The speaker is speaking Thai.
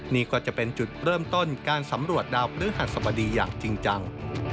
นี่ก็จะเป็นจุดเริ่มต้นการสำรวจดาวพฤหัสบดีอย่างจริงจัง